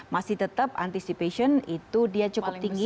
masih tetap anticipation itu dia cukup tinggi